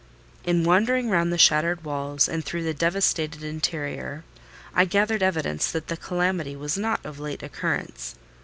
In wandering round the shattered walls and through the devastated interior, I gathered evidence that the calamity was not of late occurrence.